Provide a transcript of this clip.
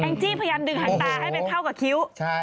แอ้งจี้พยายามดึงหวานตายให้แทบเท่ากับทิวโอ้โห